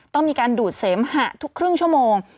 ต้องมีการดูดเสมหะทุกครึ่งชั่วโมง